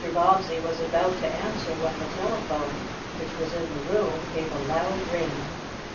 Bobbsey was about to answer when the telephone, which was in the room, gave a loud ring.